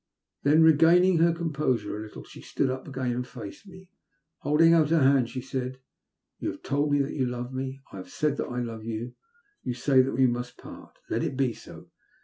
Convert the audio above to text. Then, regaining her composure a little, she stood up again and faced me. Holding out her hand, she said :" You have told me that you love me. I have said that I love you. You say that we must part. Let it be so.